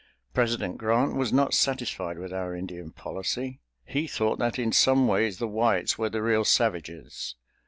President Grant was not satisfied with our Indian policy—he thought that in some ways the Whites were the real savages.